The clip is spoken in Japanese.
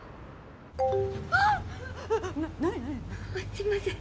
すいません。